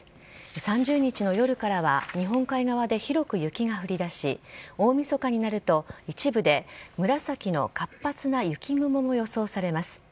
３０日の夜からは、日本海側で広く雪が降りだし、大みそかになると一部で紫の活発な雪雲も予想されます。